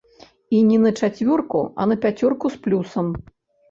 І не на чацвёрку, а на пяцёрку з плюсам.